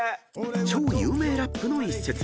［超有名ラップの一節］